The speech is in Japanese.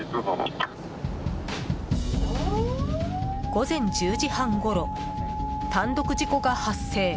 午前１０時半ごろ単独事故が発生。